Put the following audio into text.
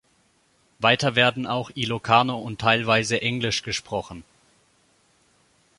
Weiter werden auch Ilokano und teilweise Englisch gesprochen.